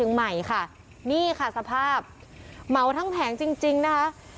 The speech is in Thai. นี่สภาพเหมาทั้งแผงจริงน่ะ